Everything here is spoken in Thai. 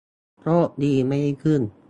โชคดีไม่ได้ขึ้น